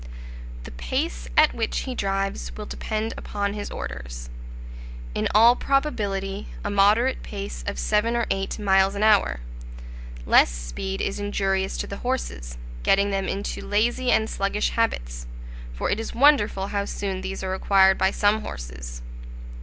The pace at which he drives will depend upon his orders, in all probability a moderate pace of seven or eight miles an hour; less speed is injurious to the horses, getting them into lazy and sluggish habits; for it is wonderful how soon these are acquired by some horses.